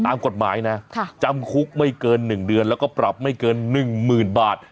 ตามกฎหมายนะจำคุกไม่เกินหนึ่งเดือนแล้วก็ปรับไม่เกินหนึ่งหมื่นบาท